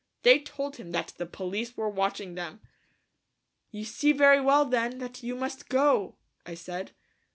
They told him that the police were watching them." "You see very well, then, that you must go," I said.